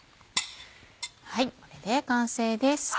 これで完成です。